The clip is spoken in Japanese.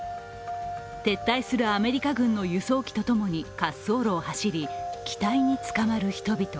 撤退するアメリカ軍の輸送機とともに滑走路を走り、機体につかまる人々。